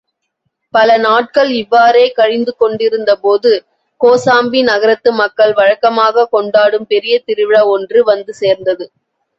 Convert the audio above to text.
பல நாள்கள் இவ்வாறே கழிந்துகொண்டிருந்தபோது, கோசாம்பி நகரத்து மக்கள் வழக்கமாகக் கொண்டாடும் பெரிய திருவிழா ஒன்றும் வந்து சேர்ந்தது.